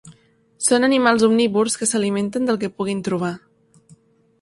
Són animals omnívors que s'alimenten del que puguin trobar.